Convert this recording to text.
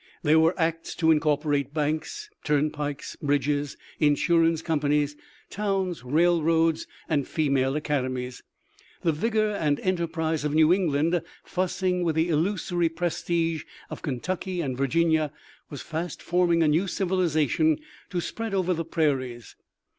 There were acts to incorporate banks, turnpikes, bridges, insurance companies, towns, railroads, and female academies. The vigor and enterprise of New England fusing with the illusory prestige of Kentucky and Virginia was fast forming a new civilization to spread over the prairies